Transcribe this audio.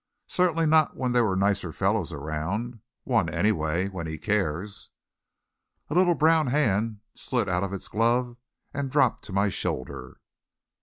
"Certainly not when there are nicer fellows around. One, anyway, when he cares." A little brown hand slid out of its glove and dropped to my shoulder.